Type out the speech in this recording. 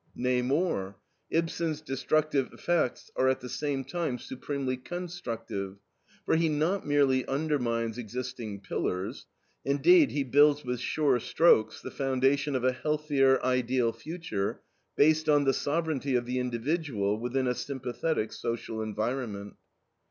Nay, more; Ibsen's destructive effects are at the same time supremely constructive, for he not merely undermines existing pillars; indeed, he builds with sure strokes the foundation of a healthier, ideal future, based on the sovereignty of the individual within a sympathetic social environment.